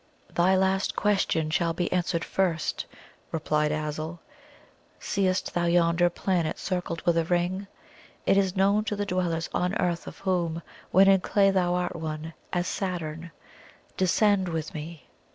"Thy last question shall be answered first," replied Azul. "Seest thou yonder planet circled with a ring? It is known to the dwellers on Earth, of whom when in clay thou art one, as Saturn. Descend with me!"